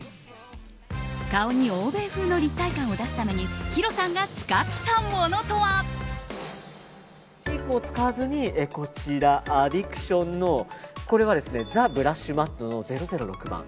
顔に欧米風の立体感を出すためにヒロさんが使ったものとは？チークを使わずにアディクションのこれはザ・ブラッシュマットの００６番。